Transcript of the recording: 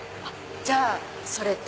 じゃあそれと。